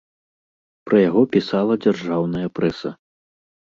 Пра яго пісала дзяржаўная прэса.